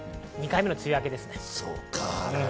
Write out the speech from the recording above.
２回目の梅雨明けですね。